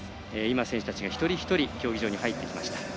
選手たちが一人一人競技場に入ってきました。